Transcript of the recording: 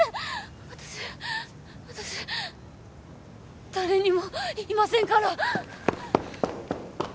私私誰にも言いませんから！